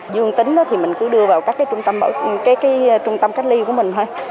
dương tính thì mình cứ đưa vào các cái trung tâm cách ly của mình thôi